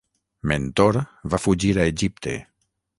Mentor va fugir a Egipte.